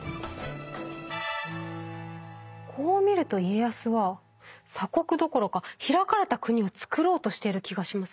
こう見ると家康は鎖国どころか開かれた国をつくろうとしている気がしますね。